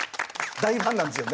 大ファンなんですよね。